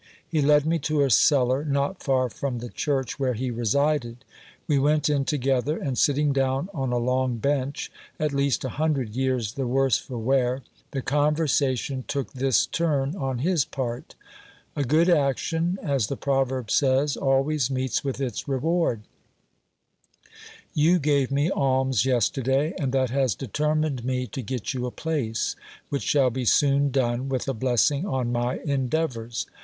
He led me to a cellar not far from the church where he resided. We went in together ; and sitting down on a long bench, at least a hundred years the worse for wear, the conversation took this turn on his part : A good action, as the proverb says, always meets with its reward : you gave me alms yesterday, and that has determined me to get you a place, which shall be soon done, with a blessing on my endeavours.